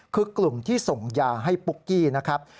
คือกลุ่มที่ส่งยาให้ปุ๊กกี้นะครับ